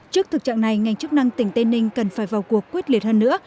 trước thực trạng này ngành chức năng tỉnh tây ninh cần phải vào cuộc quyết liệt hơn nữa